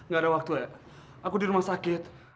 gak ada waktu ya aku di rumah sakit